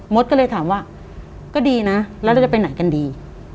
ก็เลยถามว่าก็ดีนะแล้วเราจะไปไหนกันดี